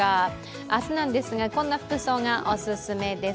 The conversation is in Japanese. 明日なんですが、こんな服装がおすすめです。